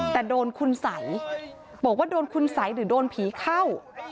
แต่โดนคุณสัยบอกว่าโดนคุณสัยหรือโดนผีเข้า